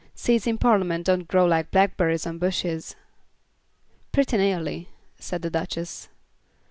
Seats in Parliament don't grow like blackberries on bushes." "Pretty nearly," said the Duchess.